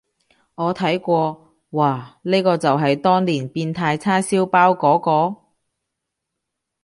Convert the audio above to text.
我睇過，嘩，呢個就係當年變態叉燒包嗰個？